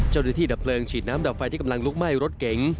เจ้าหน้าที่ดับเปลืองฉีดน้ำดับไฟที่กำลังลุกไหม้รถเก๋ง